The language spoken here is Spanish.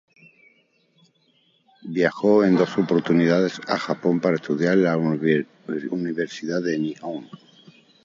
Viajó en dos oportunidades a Japón para estudiar en la Universidad de Nihon.